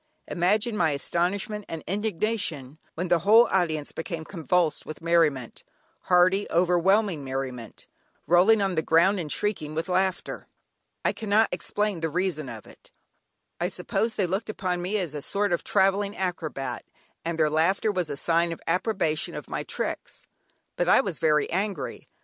Imagine my astonishment and indignation, when the whole audience became convulsed with merriment, hearty, overwhelming merriment, rolling on the ground, and shrieking with laughter. I cannot explain the reason of it; I suppose they looked upon me as a sort of travelling acrobat, and their laughter was a sign of approbation of my tricks. But I was very angry.